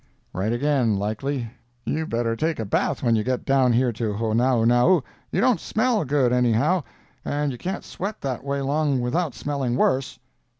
"Right again, likely. You better take a bath when you get down here to Honaunau—you don't smell good, anyhow, and you can't sweat that way long without smelling worse."